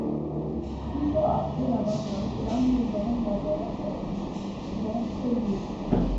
Sitôt après la bataille, il abandonne la guerre et rentre chez lui.